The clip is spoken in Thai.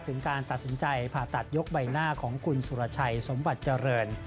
ถึงการตัดสินใจผ่าตัดยกใบหน้าของคุณสุรชัยสมบัติเจริญ